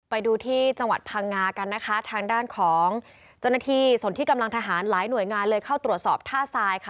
ไปดูที่จังหวัดพังงากันนะคะทางด้านของเจ้าหน้าที่ส่วนที่กำลังทหารหลายหน่วยงานเลยเข้าตรวจสอบท่าทรายค่ะ